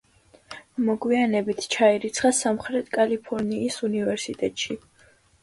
მოგვიანებით ჩაირიცხა სამხრეთ კალიფორნიის უნივერსიტეტში.